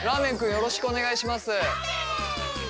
よろしくお願いします。